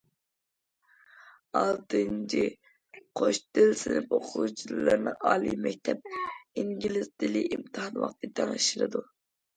ئالتىنچى،« قوش تىل» سىنىپ ئوقۇغۇچىلىرىنىڭ ئالىي مەكتەپ ئىنگلىز تىلى ئىمتىھان ۋاقتى تەڭشىلىدۇ.